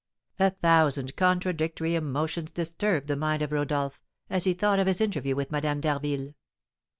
A thousand contradictory emotions disturbed the mind of Rodolph, as he thought of his interview with Madame d'Harville.